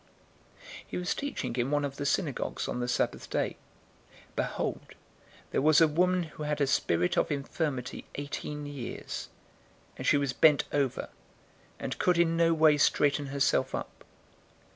'" 013:010 He was teaching in one of the synagogues on the Sabbath day. 013:011 Behold, there was a woman who had a spirit of infirmity eighteen years, and she was bent over, and could in no way straighten herself up.